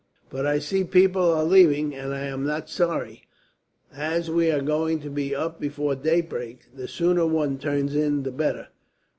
"But I see people are leaving, and I am not sorry. As we are going to be up before daybreak, the sooner one turns in the better."